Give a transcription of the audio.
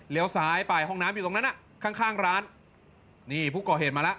เลี้ยวซ้ายไปห้องน้ำอยู่ตรงนั้นอ่ะข้างร้านนี่ผู้ก่อเหตุมาล่ะ